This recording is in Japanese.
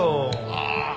ああ！